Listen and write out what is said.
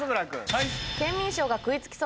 はい。